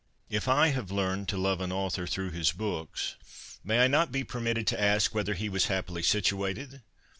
If I have learned to love an author through his books, may I not be permitted to ask whether he was happily situated